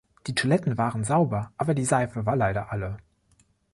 Die Toiletten waren sauber, aber die Seife war leider alle.